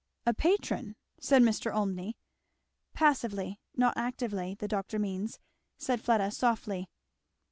"A patron!" said Mr. Olmney. "Passively, not actively, the doctor means," said Fleda softly.